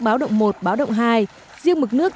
báo động một báo động hai riêng mực nước